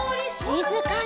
しずかに。